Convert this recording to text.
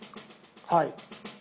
はい。